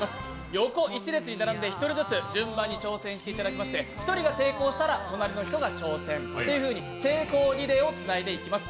横１列に並んで１人ずつ順番に挑戦していただきまして１人が成功したら隣の人が挑戦というふうに成功リレーをつないでいきます。